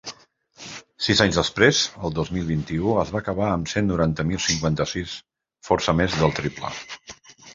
Sis anys després, el dos mil vint-i-u, es va acabar amb cent noranta mil cinquanta-sis, força més del triple.